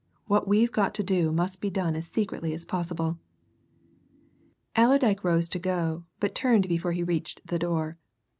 What we've got to do must be done as secretly as possible." Allerdyke rose to go, but turned before he reached the door.